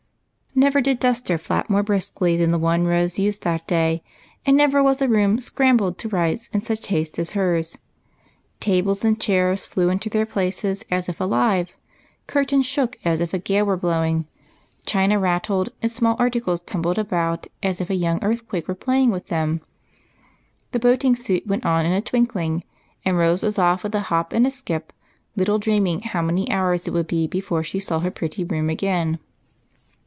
Never did duster flap more briskly than the one Rose used that day, and never was a room " scrab bled " to rights in such haste as hers. Tables and chairs flew into their places as if alive ; curtains shook as if a gale was blowing ; china rattled and small articles tumbled about as if a young earthquake was playing with them. The boating suit went on in a twinkling, and Rose was off with a hop and a skip, little dreaming how many hours it would be before she saw her pretty room again.